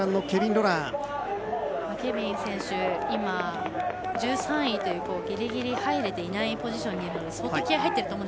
ケビン選手１３位というギリギリ入れていないポジションにいる。